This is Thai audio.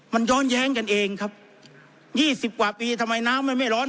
มันย้อนแย้งกันเองครับ๒๐กว่าปีทำไมน้ำมันไม่ร้อน